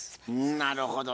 なるほどね。